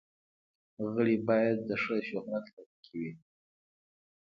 غړي باید د ښه شهرت لرونکي وي.